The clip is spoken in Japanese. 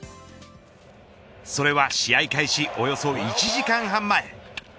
それは、試合開始およそ１時間半前。